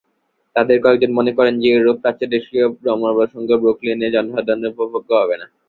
তাঁদের কয়েকজন মনে করেন যে, এরূপ প্রাচ্যদেশীয় ধর্মপ্রসঙ্গ ব্রুকলিনের জনসাধারণের উপভোগ্য হবে না।